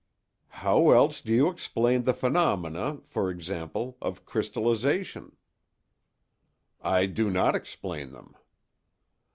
"How else do you explain the phenomena, for example, of crystallization?" "I do not explain them."